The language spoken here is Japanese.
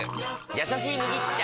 「やさしい麦茶」！